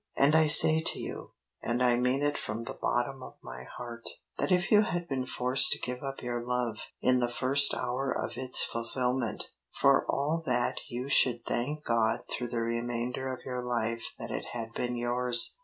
And I say to you and I mean it from the bottom of my heart that if you had been forced to give up your love in the first hour of its fulfillment, for all that you should thank God through the remainder of your life that it had been yours.